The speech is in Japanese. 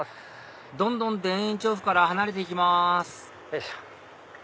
どんどん田園調布から離れて行きます